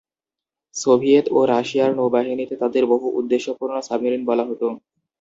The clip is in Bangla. সোভিয়েত ও রাশিয়ার নৌবাহিনীতে তাদের "বহু-উদ্দেশ্যপূর্ণ সাবমেরিন" বলা হতো।